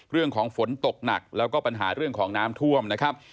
เรื่องของฝนตกหนักแล้วก็ปัญหาเรื่องของน้ำท่วมนะครับ